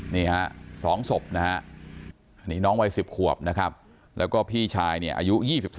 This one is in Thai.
นี่ฮะ๒ศพนี่น้องวัย๑๐ควบแล้วก็พี่ชายอายุ๒๔